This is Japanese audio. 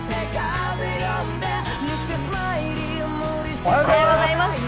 おはようございます。